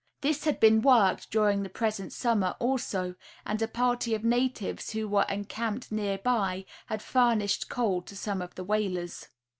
This had been worked during the present summer, also, and a party of natives who were encamped near by had furnished coal to some of the whalers.